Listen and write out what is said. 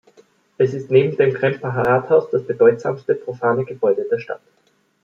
Es ist neben dem Kremper Rathaus das bedeutsamste profane Gebäude der Stadt.